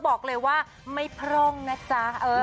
บอกเลยว่าไม่พร่องนะจ๊ะ